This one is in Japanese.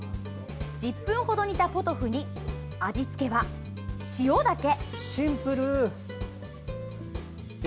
１０分程煮たポトフに味付けは、塩だけ。